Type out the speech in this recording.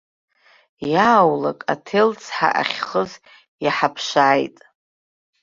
Иааулак аҭелцҳа ахьхыз иаҳԥшааит.